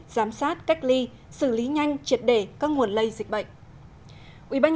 giám sát cách ly xử lý nhanh triệt đề các nguồn lây dịch bệnh